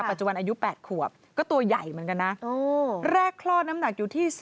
คุณแม่เตรียมไซส์เด็กปกติไง